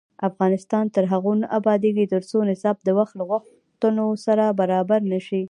افغانستان تر هغو نه ابادیږي، ترڅو نصاب د وخت له غوښتنو سره برابر نشي.